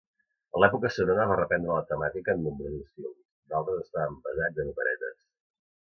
En l’època sonora va reprendre la temàtica en nombrosos films, d’altres estaven basats en operetes.